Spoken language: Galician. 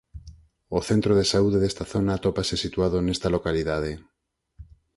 O centro de saúde desta zona atópase situado nesta localidade.